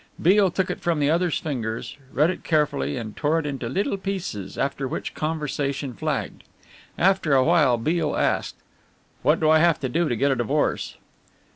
Beale took it from the other's fingers, read it carefully and tore it into little pieces, after which conversation flagged. After awhile Beale asked: "What do I have to do to get a divorce?"